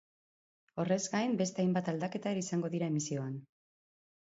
Horrez gain, beste hainbat aldaketa ere izango dira emisioan.